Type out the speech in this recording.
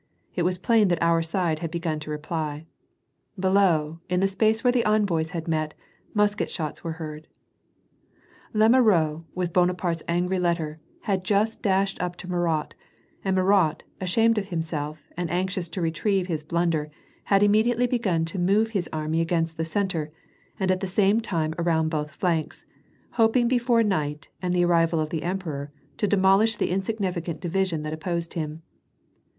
It was plain that our side had l)egun to reply. Below, in the space where the envoys . had met, musket shots were heard. Lemarrois, with Bonai)arte's angry letter, had just dashed up to Murat, and ^furat, ashamed of* himself, and anxious to retrieve his blunder, had immediately begun to move his army against the centre, and at the same time around both flanks, hoping before night, and the arrival of the emperor, to demolish the insignificant division that opjiosed him.